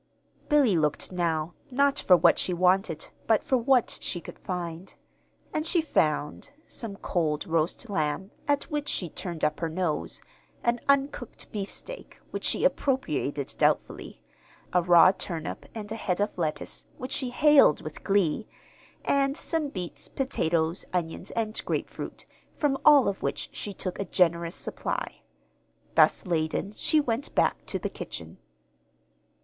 Billy looked now, not for what she wanted, but for what she could find. And she found: some cold roast lamb, at which she turned up her nose; an uncooked beefsteak, which she appropriated doubtfully; a raw turnip and a head of lettuce, which she hailed with glee; and some beets, potatoes, onions, and grapefruit, from all of which she took a generous supply. Thus laden she went back to the kitchen.